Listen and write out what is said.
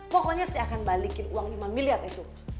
pokoknya saya akan balikin uang lima miliar itu